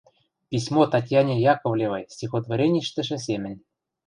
«Письмо Татьяне Яковлевой» стихотвореништӹшӹ семӹнь